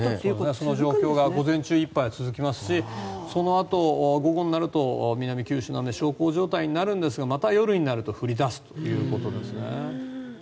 その状況が午前中いっぱいは続きますしそのあと午後になると南九州は小康状態になるんですがまた夜になると降り出すということですね。